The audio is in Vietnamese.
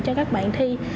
cho các bạn thi